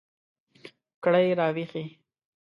کړئ را ویښې